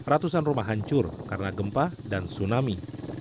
ratusan rumah hancur karena gempa dan tsunami